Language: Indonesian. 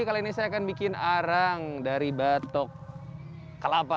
kali ini saya akan bikin arang dari batok kelapa